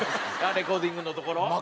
レコーディングのところ？